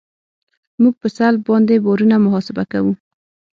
موږ په سلب باندې بارونه محاسبه کوو